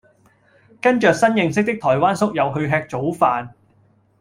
跟著新認識的台灣宿友去吃早飯